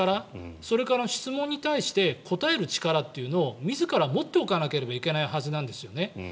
それから、質問に対して答える力というのを自ら持っておかなければいけないはずなんですよね。